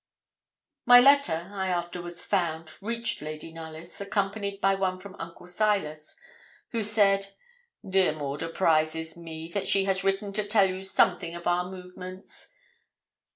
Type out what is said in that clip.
My letter, I afterwards found, reached Lady Knollys, accompanied by one from Uncle Silas, who said 'Dear Maud apprises me that she has written to tell you something of our movements.